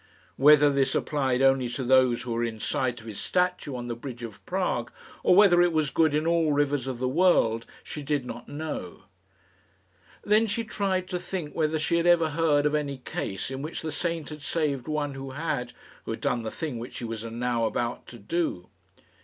Whether this applied only to those who were in sight of his statue on the bridge of Prague, or whether it was good in all rivers of the world, she did not know. Then she tried to think whether she had ever heard of any case in which the saint had saved one who had who had done the thing which she was now about to do.